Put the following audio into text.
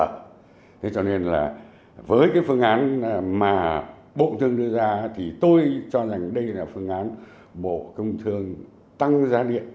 thế cho nên là với cái phương án mà bộ công thương đưa ra thì tôi cho rằng đây là phương án bộ công thương tăng giá điện